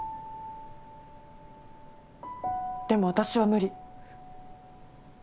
でも私は無理。